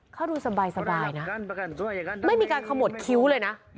เขาดูสบายนะไม่มีการขมวดคิ้วเลยนะ